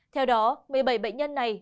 theo đó một mươi bảy bệnh nhân này